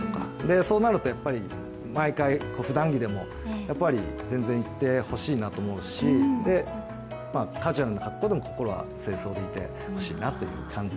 そうなると毎回、普段着でも全然行ってほしいと思うし、カジュアルな格好でも心は正装でいてほしいなという。